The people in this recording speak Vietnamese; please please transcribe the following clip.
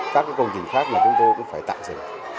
các cái công trình khác là chúng tôi cũng phải tạo ra